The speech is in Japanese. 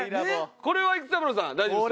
これは育三郎さん大丈夫ですよね？